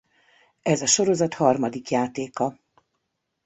Ez a sorozat harmadik játéka.